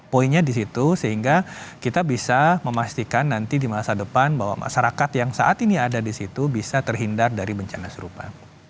poinnya di situ sehingga kita bisa memastikan nanti di masa depan bahwa masyarakat yang saat ini ada di situ bisa terhindar dari bencana serupa